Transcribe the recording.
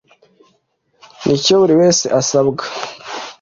n’icyo buri wese asabwa